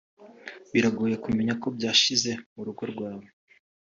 biragoye kumenya ko byashize mu rugo rwawe